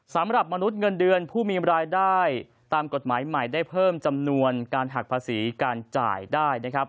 สำหรับมนุษย์เงินเดือนผู้มีรายได้ตามกฎหมายใหม่ได้เพิ่มจำนวนการหักภาษีการจ่ายได้นะครับ